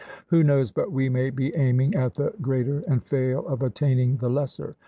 Who knows but we may be aiming at the greater, and fail of attaining the lesser?